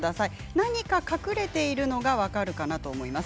何か隠れているのが分かるかなと思います。